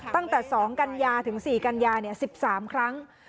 ตั้งแต่๒กันยาถึง๔กันยา๑๓ครั้ง